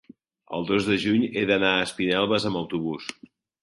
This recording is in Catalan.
el dos de juny he d'anar a Espinelves amb autobús.